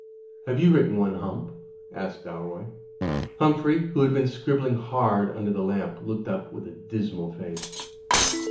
"Have you written one, Hump?" asked Dalroy. Humphrey, who had been scribbling hard under the lamp, looked up with a dismal face.